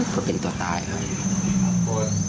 ก็เป็นตัวตายขอบคุณครับ